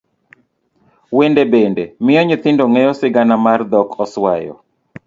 Wende bende miyo nyithindo ng'eyo sigana mar dhok oswayo.